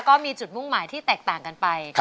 ก็มีจุดมุ่งหมายที่แตกต่างกันไป